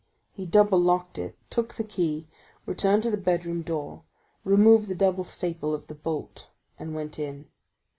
He double locked it, took the key, returned to the bedroom door, removed the double staple of the bolt, and went in.